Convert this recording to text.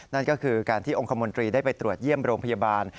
นั่นก็คือการที่องค์คมนตรีได้ไปตรวจเยี่ยมโรงพยาบาล